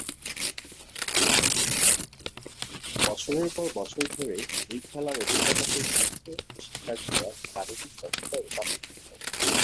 বছরের পর বছর ধরে এই খেলার অভিজ্ঞতাকে শিক্ষক ও শিক্ষার্থীরা গাণিতিক দক্ষতায় রূপান্তরিত করে।